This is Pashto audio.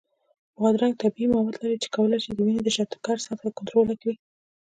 بادرنګ طبیعي مواد لري چې کولی شي د وینې د شکر سطحه کنټرول کړي.